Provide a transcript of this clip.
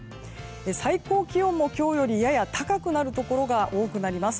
最高気温も今日よりやや高くなるところが多くなります。